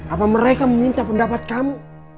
apa mereka meminta pendapat kamu